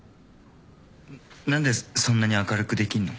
何でそんなに明るくできんの？